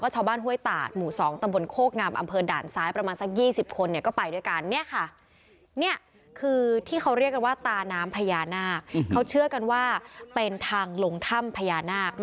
เจ้าอาวุธวักแมนทึมารราม